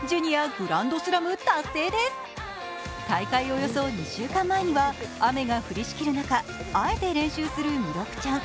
およそ２週間前には雨が降りしきる中、あえて練習する弥勒ちゃん。